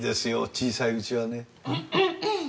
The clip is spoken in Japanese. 小さいうちはね。